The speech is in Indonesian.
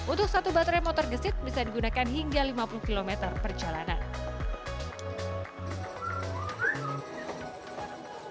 untuk satu baterai motor gesit bisa digunakan hingga lima puluh km perjalanan